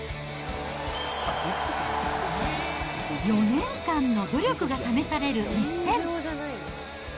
４年間の努力が試される一戦。